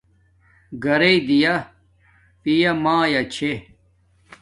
گھرݵݵ دییا پیا میا چھے